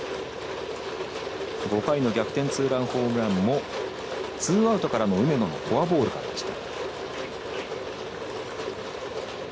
５回の逆転ツーランホームランもツーアウトからの梅野のフォアボールからでした。